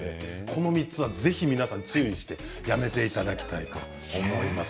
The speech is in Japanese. この３つは注意してやめていただきたいと思います。